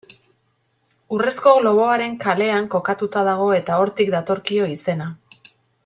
Urrezko Globoaren kalean kokatuta dago eta hortik datorkio izena.